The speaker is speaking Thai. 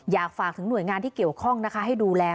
อยากฝากถึงหน่วยงานที่เกี่ยวข้องนะคะให้ดูแล